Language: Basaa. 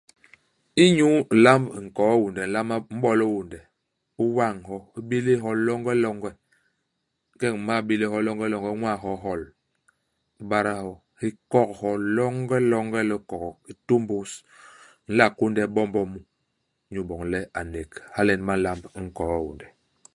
Inyu ilamb nkoo-hiônde u nlama u m'bol hiônde. U wañ hyo. U bélés hyo longelonge. Ingeñ u m'mal bélés hyo longelonge u ñwas hyo hi hol. U bada hyo. U kok hyo longelonge i likogok. U tômbôs. U nla kônde bombo mu inyu iboñ le a nek. Hala nyen ba nlamb nkoo-hiônde.